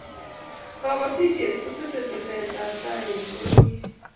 kabatisiet kotesee teset ab tai ne pororiet